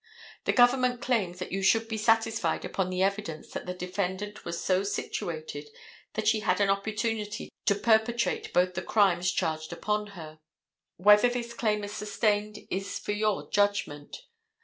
The government claims that you should be satisfied upon the evidence that the defendant was so situated that she had an opportunity to perpetrate both the crimes charged upon her. Whether this claim is sustained is for your judgment.